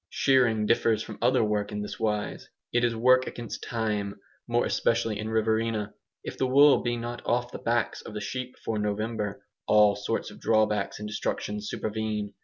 Shearing differs from other work in this wise: it is work against time, more especially in Riverina. If the wool be not off the backs of the sheep before November, all sorts of draw backs and destructions supervene.